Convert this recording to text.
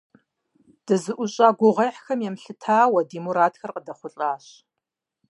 ДызэӏущӀа гугъуехьхэм емылъытауэ, ди мурадхэр къыдэхъулӏащ.